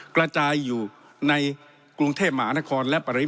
กระจายอยู่ในกรุงเทพีม้านครและประวิยมลทน